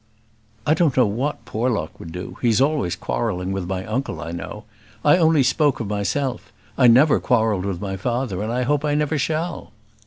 "I don't know what Porlock would do; he's always quarrelling with my uncle, I know. I only spoke of myself; I never quarrelled with my father, and I hope I never shall."